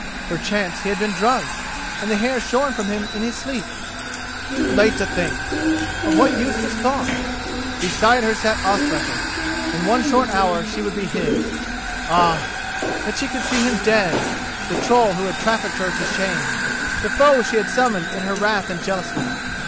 Perchance he had been drugged, and the hair shorn from him in his sleep? Too late to think! Of what use was thought?—beside her sat Ospakar, in one short hour she would be his. Ah! that she could see him dead—the troll who had trafficked her to shame, the foe she had summoned in her wrath and jealousy!